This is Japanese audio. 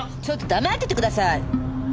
ちょっと黙っててください！